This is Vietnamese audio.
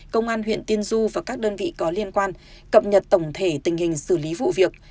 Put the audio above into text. công an huyện tiên du và các đơn vị có liên quan cập nhật tổng thể tình hình xử lý vụ việc